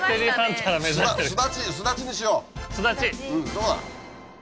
どうだ？